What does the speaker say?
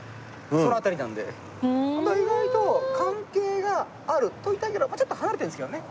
意外と関係があると言いたいけどちょっと離れてるんですけどね。